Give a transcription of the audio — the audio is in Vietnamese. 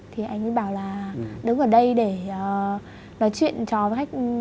thì anh ấy bảo là đứng ở đây để nói chuyện cho khách